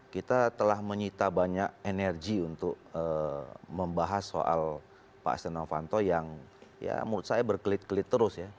kita telah menyita banyak energi untuk membahas soal pak astiano fanto yang ya menurut saya berkelit kelit terus ya